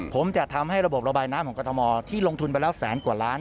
ผมจะทำให้ระบบระบายน้ำของกรทมที่ลงทุนไปแล้วแสนกว่าล้าน